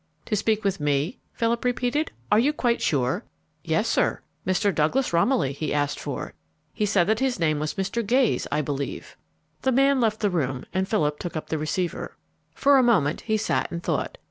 "To speak with me?" Philip repeated. "Are you quite sure?" "Yes, sir. Mr. Douglas Romilly he asked for. He said that his name was Mr. Gayes, I believe." The man left the room and Philip took up the receiver. For a moment he sat and thought.